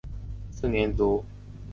四年卒。